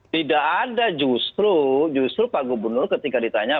tidak ada justru justru pak gubernur ketika ditanya